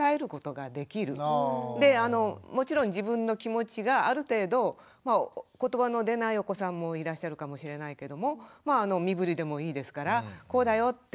であのもちろん自分の気持ちがある程度言葉の出ないお子さんもいらっしゃるかもしれないけどもまああの身ぶりでもいいですからこうだよって伝えることができる。